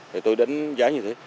thì tôi đánh giá như thế